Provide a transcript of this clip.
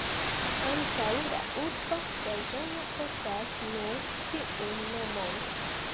Ankaŭ la urba blazono portas nur tiun nomon.